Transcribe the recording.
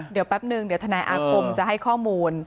เดี๋ยวแป๊บนึงเดี๋ยวทนายอาคมจะให้ข้อมูล